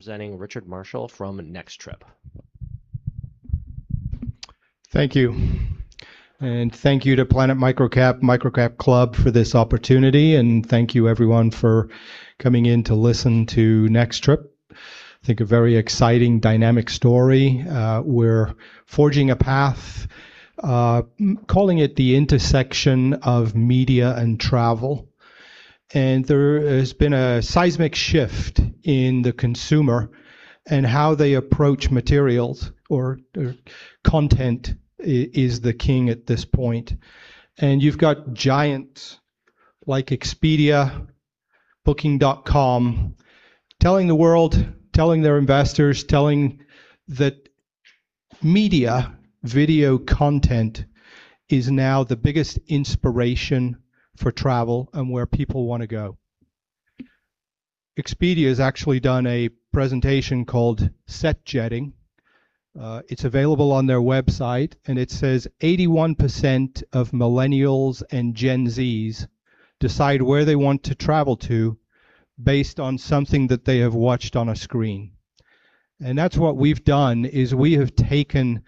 Presenting Richard Marshall from NextTrip. Thank you. Thank you to Planet MicroCap, MicroCapClub for this opportunity, and thank you everyone for coming in to listen to NextTrip. I think a very exciting dynamic story. We're forging a path, calling it the intersection of media and travel. There has been a seismic shift in the consumer and how they approach materials or content is the king at this point. You've got giants like Expedia, Booking.com, telling the world, telling their investors, telling that media, video content is now the biggest inspiration for travel and where people want to go. Expedia has actually done a presentation called Set-Jetting. It's available on their website, and it says 81% of millennials and Gen Zs decide where they want to travel to based on something that they have watched on a screen. That's what we've done, is we have taken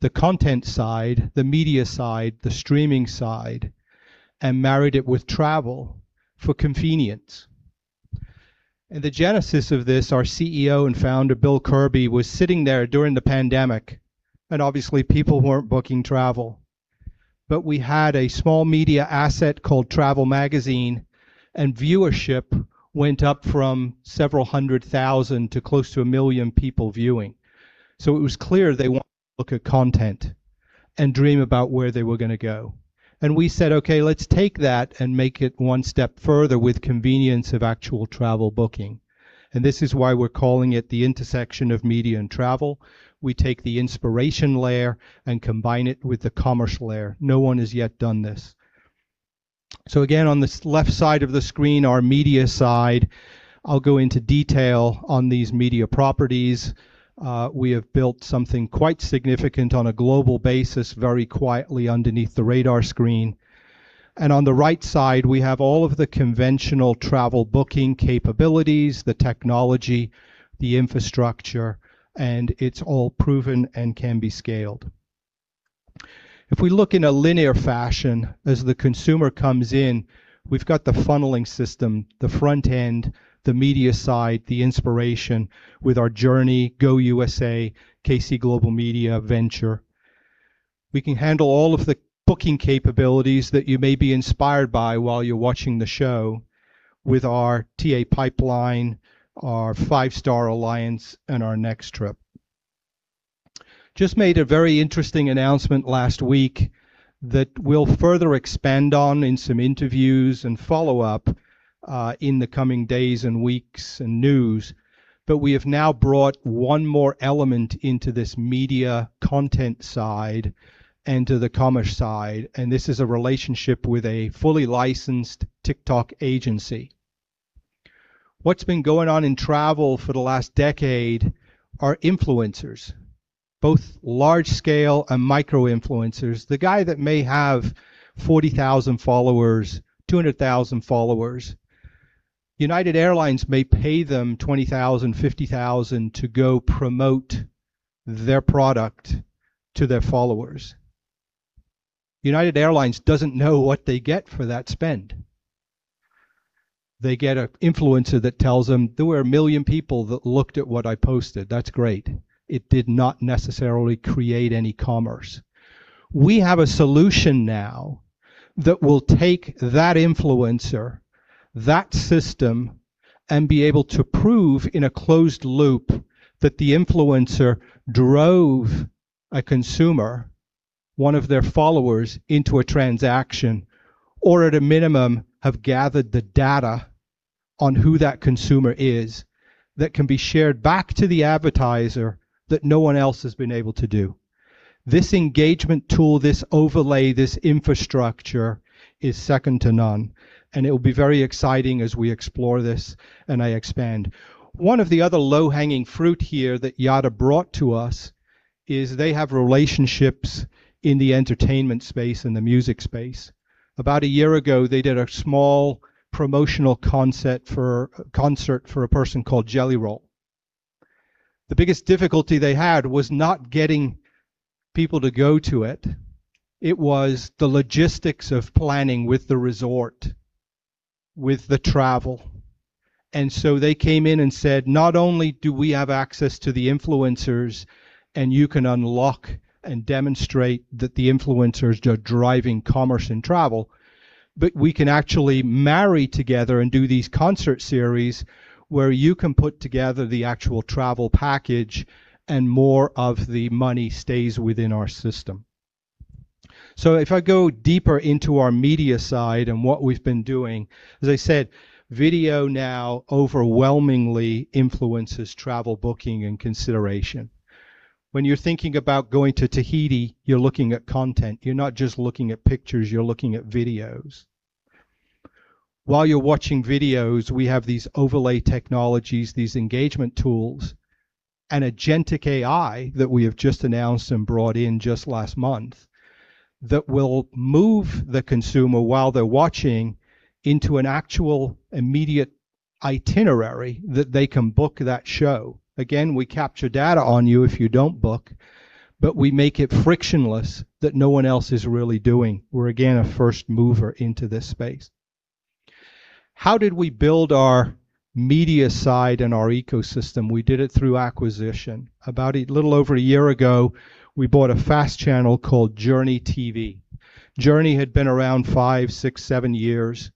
the content side, the media side, the streaming side, and married it with travel for convenience. The genesis of this, our CEO and Founder, Bill Kerby, was sitting there during the pandemic, and obviously people weren't booking travel. We had a small media asset called Travel Magazine, and viewership went up from several hundred thousand to close to 1 million people viewing. It was clear they wanted to look at content and dream about where they were going to go. We said, Okay, let's take that and make it one step further with convenience of actual travel booking. This is why we're calling it the intersection of media and travel. We take the inspiration layer and combine it with the commerce layer. No one has yet done this. Again, on the left side of the screen, our media side, I'll go into detail on these media properties. We have built something quite significant on a global basis very quietly underneath the radar screen. On the right side, we have all of the conventional travel booking capabilities, the technology, the infrastructure, and it's all proven and can be scaled. If we look in a linear fashion as the consumer comes in, we've got the funneling system, the front end, the media side, the inspiration with our JOURNY, GoUSA TV, KC Global Media venture. We can handle all of the booking capabilities that you may be inspired by while you're watching the show with our TA Pipeline, our Five Star Alliance, and our NextTrip. Just made a very interesting announcement last week that we'll further expand on in some interviews and follow up in the coming days and weeks and news. We have now brought one more element into this media content side and to the commerce side, and this is a relationship with a fully licensed TikTok agency. What's been going on in travel for the last decade are influencers, both large scale and micro-influencers. The guy that may have 40,000 followers, 200,000 followers, United Airlines may pay them $20,000, $50,000 to go promote their product to their followers. United Airlines doesn't know what they get for that spend. They get an influencer that tells them, "There were 1 million people that looked at what I posted." That's great. It did not necessarily create any commerce. We have a solution now that will take that influencer, that system, and be able to prove in a closed loop that the influencer drove a consumer, one of their followers, into a transaction. At a minimum, have gathered the data on who that consumer is that can be shared back to the advertiser that no one else has been able to do. This engagement tool, this overlay, this infrastructure is second to none, and it will be very exciting as we explore this and I expand. One of the other low-hanging fruit here that YADA brought to us is they have relationships in the entertainment space and the music space. About a year ago, they did a small promotional concert for a person called Jelly Roll. The biggest difficulty they had was not getting people to go to it. It was the logistics of planning with the resort, with the travel. They came in and said, Not only do we have access to the influencers and you can unlock and demonstrate that the influencers are driving commerce and travel, but we can actually marry together and do these concert series where you can put together the actual travel package and more of the money stays within our system. If I go deeper into our media side and what we've been doing, as I said, video now overwhelmingly influences travel booking and consideration. When you're thinking about going to Tahiti, you're looking at content. You're not just looking at pictures, you're looking at videos. While you're watching videos, we have these overlay technologies, these engagement tools. An agentic AI that we have just announced and brought in just last month that will move the consumer while they're watching into an actual immediate itinerary that they can book that show. Again, we capture data on you if you don't book, but we make it frictionless that no one else is really doing. We're, again, a first mover into this space. How did we build our media side and our ecosystem? We did it through acquisition. About a little over a year ago, we bought a FAST channel called JOURNY TV. JOURNY had been around five, six, seven years.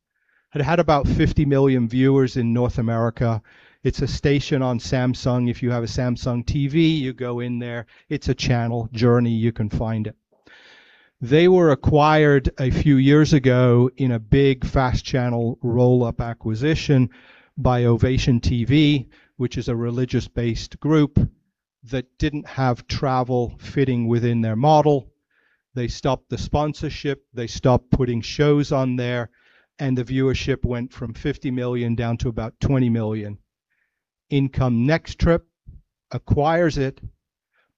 It had about 50 million viewers in North America. It's a station on Samsung. If you have a Samsung TV, you go in there, it's a channel, JOURNY, you can find it. They were acquired a few years ago in a big FAST channel roll-up acquisition by Ovation, which is a religious-based group that didn't have travel fitting within their model. They stopped the sponsorship, they stopped putting shows on there, and the viewership went from 50 million down to about 20 million. In come NextTrip acquires it,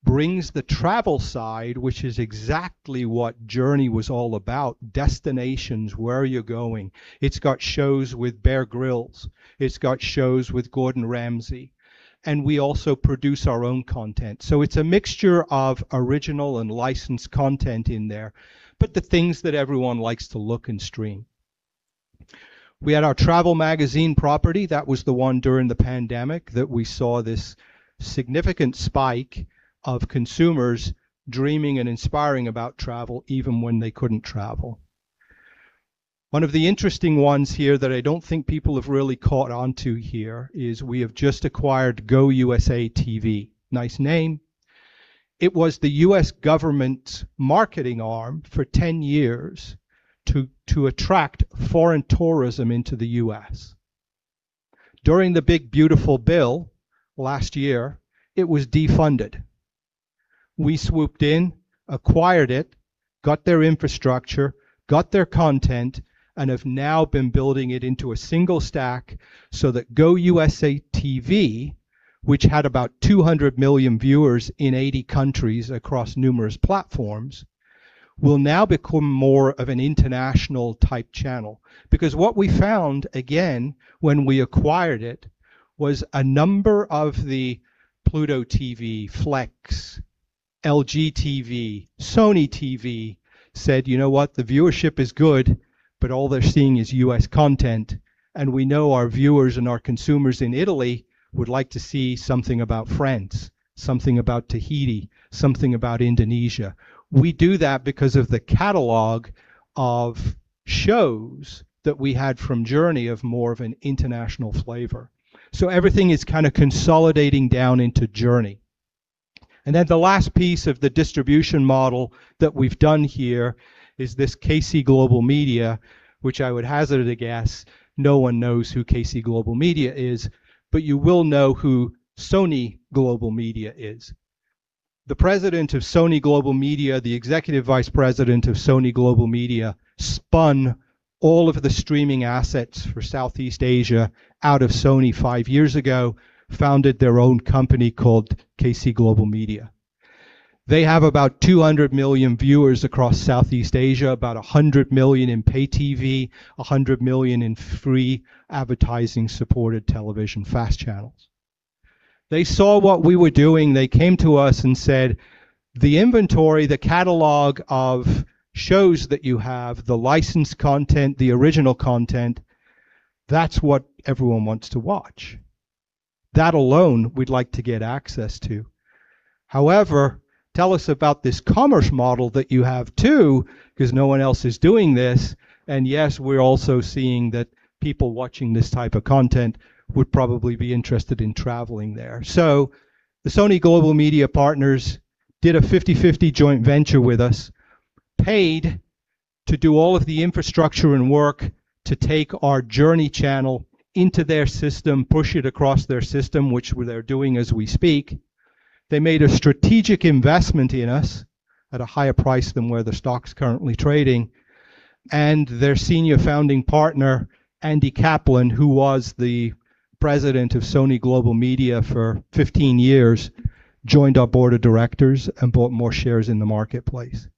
brings the travel side, which is exactly what JOURNY was all about, destinations, where are you going? It's got shows with Bear Grylls, it's got shows with Gordon Ramsay, and we also produce our own content. It's a mixture of original and licensed content in there, but the things that everyone likes to look and stream. We had our Travel Magazine property. That was the one during the pandemic that we saw this significant spike of consumers dreaming and inspiring about travel even when they couldn't travel. One of the interesting ones here that I don't think people have really caught onto here is we have just acquired GoUSA TV. Nice name. It was the U.S. government marketing arm for 10 years to attract foreign tourism into the U.S. During the Big Beautiful Bill last year, it was defunded. We swooped in, acquired it, got their infrastructure, got their content, and have now been building it into a single stack so that GoUSA TV, which had about 200 million viewers in 80 countries across numerous platforms, will now become more of an international type channel. Because what we found, again, when we acquired it, was a number of the Pluto TV, Plex, LG TV, Sony TV, said, You know what? The viewership is good, but all they're seeing is U.S. content, and we know our viewers and our consumers in Italy would like to see something about France, something about Tahiti, something about Indonesia. We do that because of the catalog of shows that we had from JOURNY of more of an international flavor. Everything is kind of consolidating down into JOURNY. The last piece of the distribution model that we've done here is this KC Global Media, which I would hazard a guess, no one knows who KC Global Media is, but you will know who Sony Global Media is. The president of Sony Global Media, the executive vice president of Sony Global Media, spun all of the streaming assets for Southeast Asia out of Sony five years ago, founded their own company called KC Global Media. They have about 200 million viewers across Southeast Asia, about 100 million in pay TV, 100 million in free advertising-supported television FAST channels. They saw what we were doing. They came to us and said, The inventory, the catalog of shows that you have, the licensed content, the original content, that's what everyone wants to watch. That alone, we'd like to get access to. However, tell us about this commerce model that you have, too, because no one else is doing this, and yes, we're also seeing that people watching this type of content would probably be interested in traveling there. The Sony Global Media partners did a 50/50 joint venture with us, paid to do all of the infrastructure and work to take our JOURNY channel into their system, push it across their system, which they're doing as we speak. They made a strategic investment in us at a higher price than where the stock's currently trading. Their Senior Founding Partner, Andy Kaplan, who was the President of Sony Global Media for 15 years, joined our Board of Directors and bought more shares in the marketplace.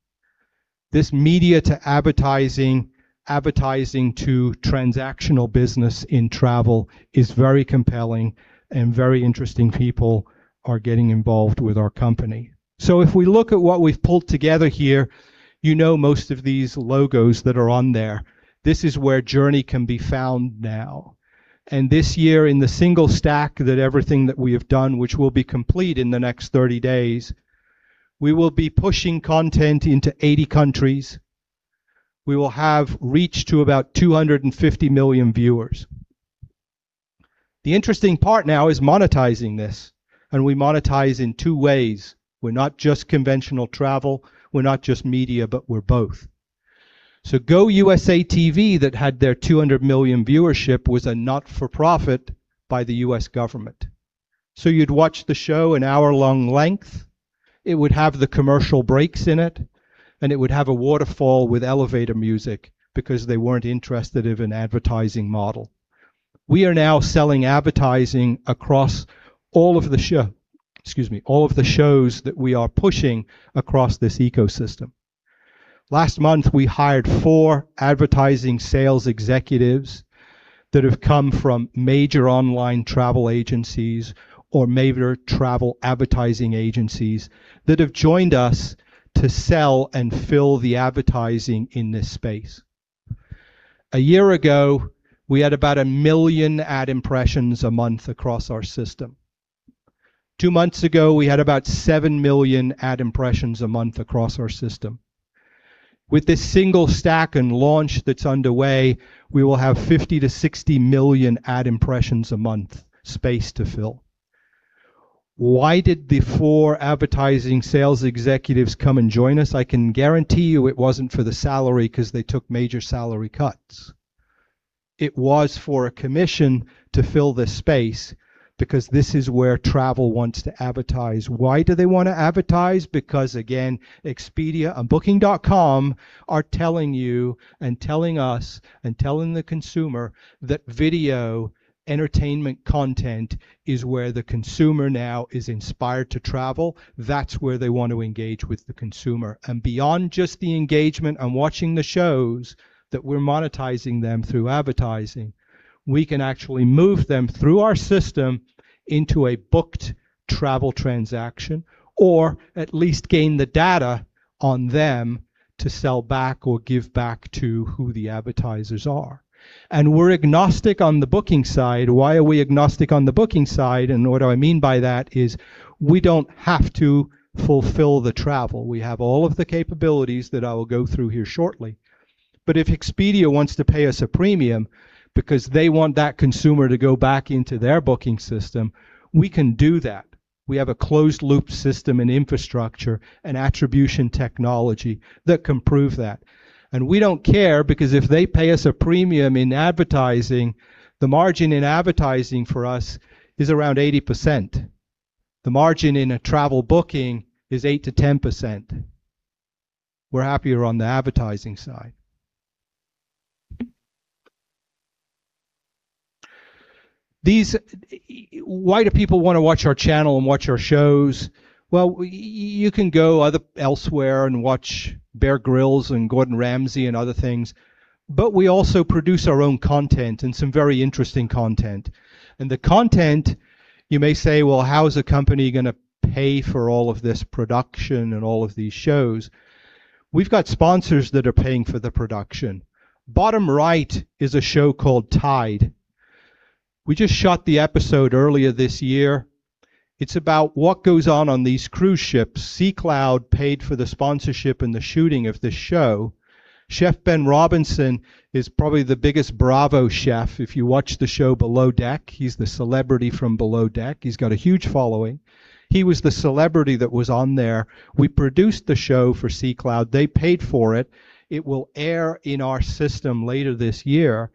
This media to advertising to transactional business in travel is very compelling and very interesting people are getting involved with our company. If we look at what we've pulled together here, you know most of these logos that are on there. This is where JOURNY can be found now. This year in the single stack that everything that we have done, which will be complete in the next 30 days, we will be pushing content into 80 countries. We will have reached to about 250 million viewers. The interesting part now is monetizing this, and we monetize in two ways. We're not just conventional travel, we're not just media, but we're both. GoUSA TV that had their 200 million viewership was a not-for-profit by the U.S. government. You'd watch the show an hour-long length. It would have the commercial breaks in it, and it would have a waterfall with elevator music because they weren't interested in an advertising model. We are now selling advertising across all of the shows that we are pushing across this ecosystem. Last month, we hired four advertising sales executives that have come from major online travel agencies or major travel advertising agencies that have joined us to sell and fill the advertising in this space. A year ago, we had about 1 million ad impressions a month across our system. Two months ago, we had about 7 million ad impressions a month across our system. With this single stack and launch that's underway, we will have 50-60 million ad impressions a month space to fill. Why did the four advertising sales executives come and join us? I can guarantee you it wasn't for the salary, because they took major salary cuts. It was for a commission to fill the space because this is where travel wants to advertise. Why do they want to advertise? Because, again, Expedia and Booking.com are telling you and telling us, and telling the consumer that video entertainment content is where the consumer now is inspired to travel. That's where they want to engage with the consumer. Beyond just the engagement and watching the shows, that we're monetizing them through advertising, we can actually move them through our system into a booked travel transaction, or at least gain the data on them to sell back or give back to who the advertisers are. We're agnostic on the booking side. Why are we agnostic on the booking side? What I mean by that is we don't have to fulfill the travel. We have all of the capabilities that I will go through here shortly. If Expedia wants to pay us a premium because they want that consumer to go back into their booking system, we can do that. We have a closed-loop system and infrastructure and attribution technology that can prove that. We don't care, because if they pay us a premium in advertising, the margin in advertising for us is around 80%. The margin in a travel booking is 8%-10%. We're happier on the advertising side. You can go elsewhere and watch Bear Grylls and Gordon Ramsay and other things, but we also produce our own content and some very interesting content. The content, you may say, "Well, how is a company going to pay for all of this production and all of these shows?" We've got sponsors that are paying for the production. Bottom right is a show called "TIDE." We just shot the episode earlier this year. It's about what goes on on these cruise ships. Sea Cloud paid for the sponsorship and the shooting of the show. Chef Ben Robinson is probably the biggest Bravo chef. If you watch the show "Below Deck," he's the celebrity from "Below Deck." He's got a huge following. He was the celebrity that was on there. We produced the show for Sea Cloud Cruises. They paid for it. It will air in our system later this year.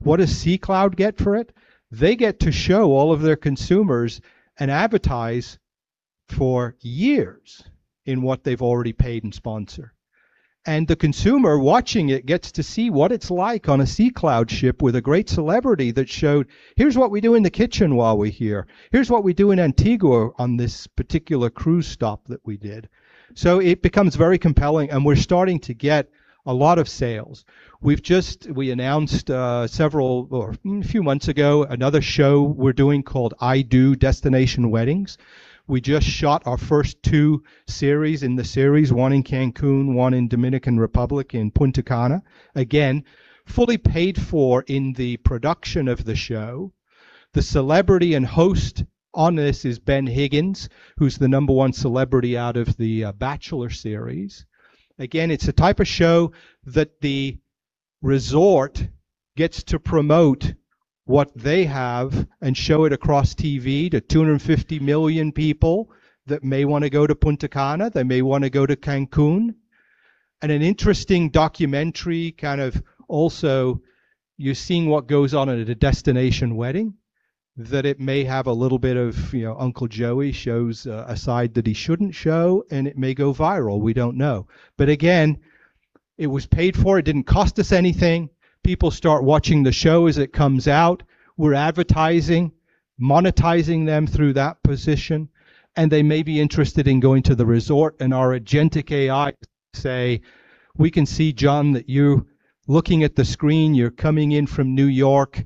What does Sea Cloud Cruises get for it? They get to show all of their consumers and advertise for years in what they've already paid and sponsor. The consumer watching it gets to see what it's like on a Sea Cloud Cruises ship with a great celebrity that showed, Here's what we do in the kitchen while we're here. Here's what we do in Antigua on this particular cruise stop that we did. It becomes very compelling, and we're starting to get a lot of sales. We announced a few months ago, another show we're doing called I DO: Destination Weddings. We just shot our first two series in the series, one in Cancun, one in Dominican Republic in Punta Cana. Again, fully paid for in the production of the show. The celebrity and host on this is Ben Higgins, who's the number one celebrity out of The Bachelor series. Again, it's a type of show that the resort gets to promote what they have and show it across TV to 250 million people that may want to go to Punta Cana, they may want to go to Cancun. An interesting documentary, kind of also you're seeing what goes on at a destination wedding, that it may have a little bit of Uncle Joey shows a side that he shouldn't show, and it may go viral. We don't know. Again, it was paid for. It didn't cost us anything. People start watching the show as it comes out. We're advertising, monetizing them through that position. They may be interested in going to the resort and our agentic AI say, We can see, John, that you're looking at the screen. You're coming in from New York.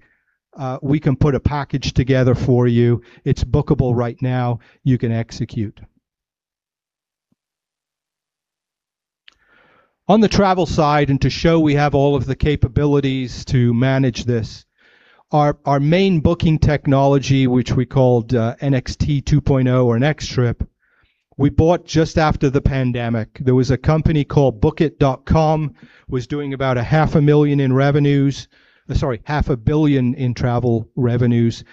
We can put a package together for you. It's bookable right now. You can execute. On the travel side, to show we have all of the capabilities to manage this, our main booking technology, which we called NXT2.0 or NextTrip, we bought just after the pandemic. There was a company called Bookit.com, was doing about a half a billion in travel revenues.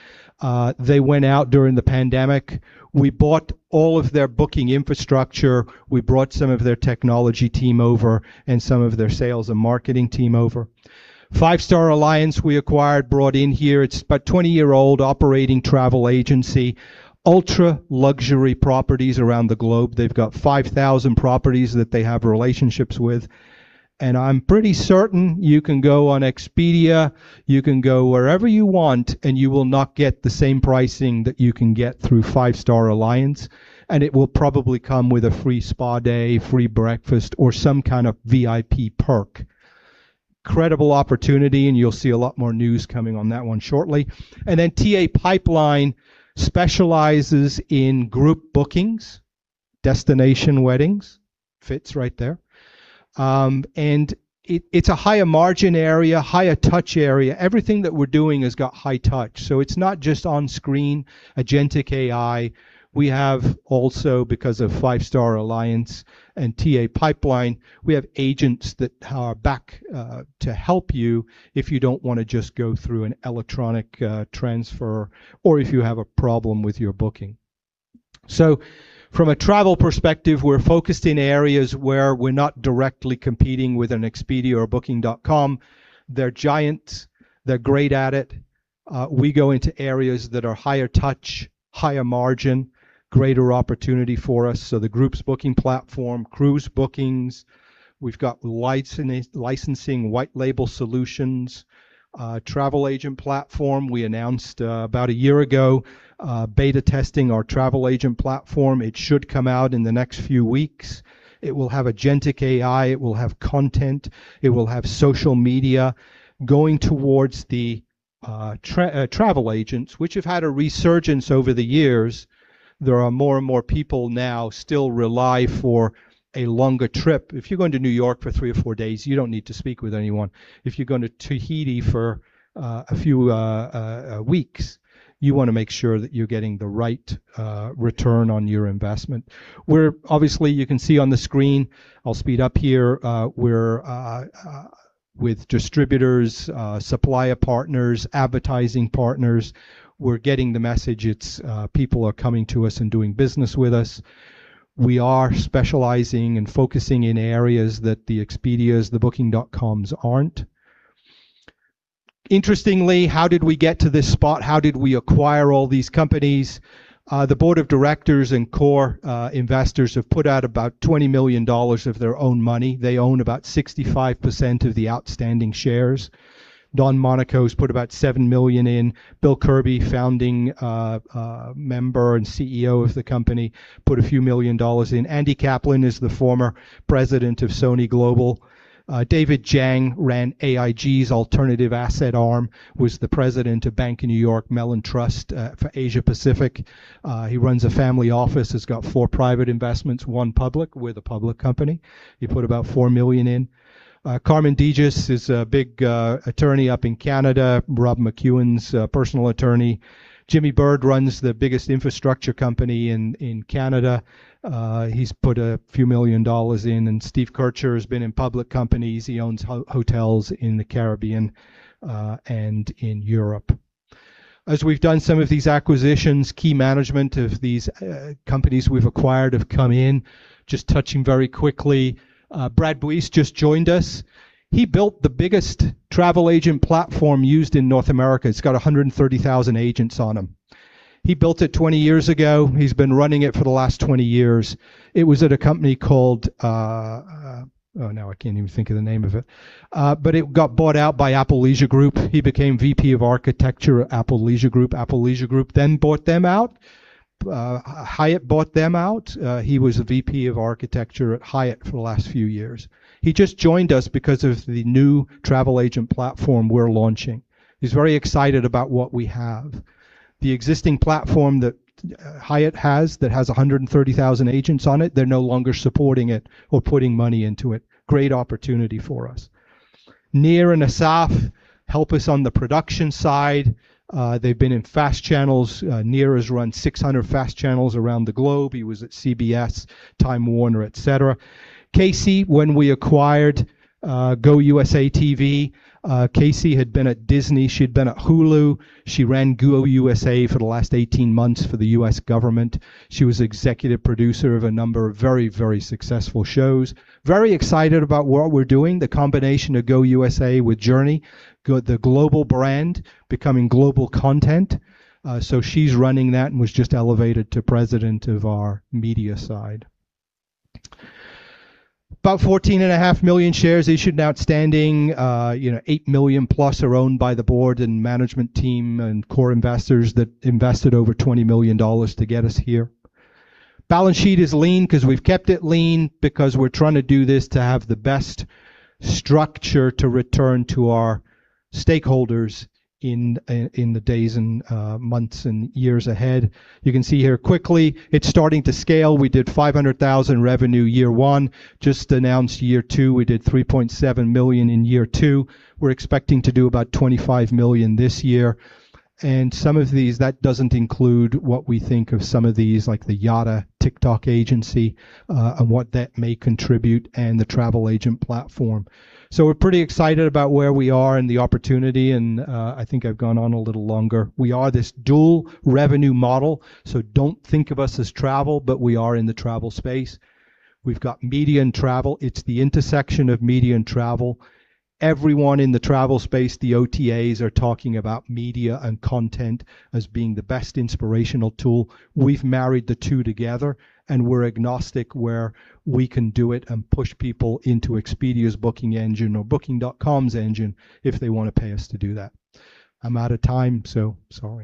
They went out during the pandemic. We bought all of their booking infrastructure. We brought some of their technology team over and some of their sales and marketing team over. Five Star Alliance, we acquired, brought in here. It's about 20-year-old operating travel agency, ultra-luxury properties around the globe. They've got 5,000 properties that they have relationships with. I'm pretty certain you can go on Expedia, you can go wherever you want, and you will not get the same pricing that you can get through Five Star Alliance, and it will probably come with a free spa day, free breakfast, or some kind of VIP perk. Incredible opportunity. You'll see a lot more news coming on that one shortly. TA Pipeline specializes in group bookings, destination weddings, fits right there. It's a higher margin area, higher touch area. Everything that we're doing has got high touch, so it's not just on-screen agentic AI. We have also, because of Five Star Alliance and TA Pipeline, we have agents that are back to help you if you don't want to just go through an electronic transfer or if you have a problem with your booking. From a travel perspective, we're focused in areas where we're not directly competing with an Expedia or a Booking.com. They're giant. They're great at it. We go into areas that are higher touch, higher margin, greater opportunity for us, the groups booking platform, cruise bookings. We've got licensing, white label solutions, travel agent platform. We announced about a year ago, beta testing our travel agent platform. It should come out in the next few weeks. It will have agentic AI. It will have content. It will have social media going towards the travel agents, which have had a resurgence over the years. There are more and more people now still rely for a longer trip. If you're going to New York for three or four days, you don't need to speak with anyone. If you're going to Tahiti for a few weeks, you want to make sure that you're getting the right return on your investment. Obviously, you can see on the screen, I'll speed up here, we're with distributors, supplier partners, advertising partners. We're getting the message. People are coming to us and doing business with us. We are specializing and focusing in areas that the Expedias, the Booking.coms aren't. How did we get to this spot? How did we acquire all these companies? The Board of Directors and core investors have put out about $20 million of their own money. They own about 65% of the outstanding shares. Don Monaco's put about $7 million in. Bill Kerby, Founding Member and CEO of the company, put a few million dollars in. Andy Kaplan is the former President of Sony Global. David Jiang ran AIG's alternative asset arm, was the president of Bank of New York Mellon Trust for Asia Pacific. He runs a family office that's got four private investments, one public. We're the public company. He put about $4 million in. Carmen Diges is a big attorney up in Canada, Rob McEwen's personal attorney. Jimmy Bird runs the biggest infrastructure company in Canada. He's put a few million dollars in, and Steve Kircher has been in public companies. He owns hotels in the Caribbean and in Europe. As we've done some of these acquisitions, key management of these companies we've acquired have come in, just touching very quickly. Brad Buice just joined us. He built the biggest travel agent platform used in North America. It's got 130,000 agents on him. He built it 20 years ago. He's been running it for the last 20 years. It was at a company called, oh, now I can't even think of the name of it. It got bought out by Apple Leisure Group. He became VP of Architecture at Apple Leisure Group. Apple Leisure Group then bought them out. Hyatt bought them out. He was the VP of architecture at Hyatt for the last few years. He just joined us because of the new travel agent platform we're launching. He's very excited about what we have. The existing platform that Hyatt has that has 130,000 agents on it, they're no longer supporting it or putting money into it. Great opportunity for us. Nir and Assaf help us on the production side. They've been in FAST channels. Nir has run 600 FAST channels around the globe. He was at CBS, Time Warner, et cetera. Kacie, when we acquired GoUSA TV, Kacie had been at Disney. She'd been at Hulu. She ran GoUSA for the last 18 months for the U.S. government. She was Executive Producer of a number of very, very successful shows. Very excited about what we're doing, the combination of GoUSA with JOURNY, the global brand becoming global content. She's running that and was just elevated to President of our media side. About 14.5 million shares issued and outstanding. 8 million-plus are owned by the board and management team and core investors that invested over $20 million to get us here. Balance sheet is lean because we've kept it lean because we're trying to do this to have the best structure to return to our stakeholders in the days and months and years ahead. You can see here quickly, it's starting to scale. We did $500,000 revenue year one, just announced year two. We did $3.7 million in year two. We're expecting to do about $25 million this year. That doesn't include what we think of some of these, like the YADA TikTok agency, and what that may contribute and the travel agent platform. We're pretty excited about where we are and the opportunity, and I think I've gone on a little longer. We are this dual revenue model, so don't think of us as travel, but we are in the travel space. We've got media and travel. It's the intersection of media and travel. Everyone in the travel space, the OTAs are talking about media and content as being the best inspirational tool. We've married the two together, and we're agnostic where we can do it and push people into Expedia's booking engine or Booking.com's engine if they want to pay us to do that. I'm out of time, so sorry.